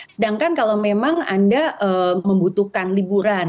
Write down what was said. sedangkan kalau memang anda membutuhkan liburan